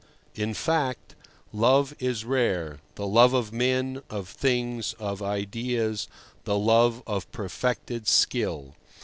In fact, love is rare—the love of men, of things, of ideas, the love of perfected skill.